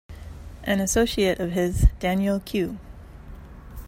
An associate of his, Daniel Q.